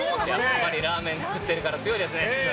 やっぱりラーメン食べてるから強いですね！